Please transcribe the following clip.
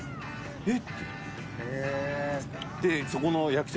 「えっ？」。